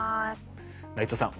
内藤さん